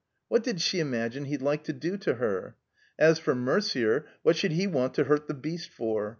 What did she imagine he'd like to do to her ? As for Mercier, what should he want to hurt the beast for?